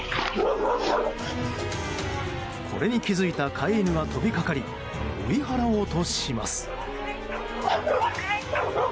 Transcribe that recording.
これに気づいた飼い犬が飛びかかり追い払おうとします。